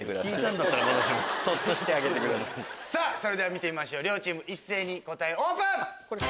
それでは見てみましょう両チーム一斉に答えオープン！